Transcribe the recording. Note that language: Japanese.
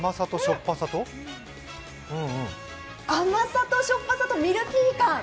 甘さとしょっぱさとミルキー感